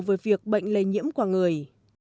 với việc bệnh lây nhiễm của người